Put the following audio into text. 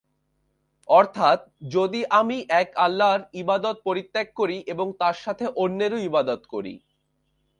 অর্থাৎ যদি আমি এক আল্লাহর ইবাদত পরিত্যাগ করি এবং তার সাথে অন্যের ইবাদতও করি।